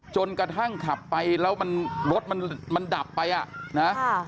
กระทั่งขับไปแล้วมันรถมันดับไปอ่ะนะ